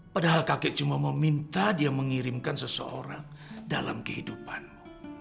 padahal kakek cuma meminta dia mengirimkan seseorang dalam kehidupanmu